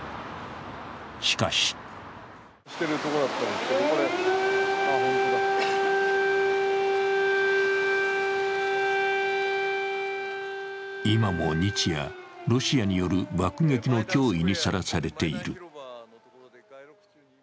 しかし今も日夜、ロシアよる爆撃の脅威にさらされている。